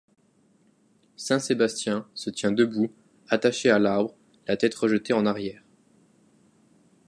Saint Sébastien se tient debout, attaché à l'arbre, la tête rejetée en arrière.